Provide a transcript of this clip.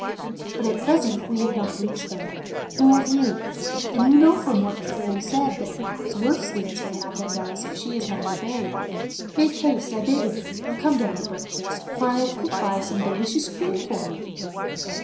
But at present we have not reached them, nor have you, and you know from what the Fairy said that perhaps worse things may happen to us if she is not obeyed. Make haste, I beg of you, and come down to breakfast, for I have put by some delicious cream for you."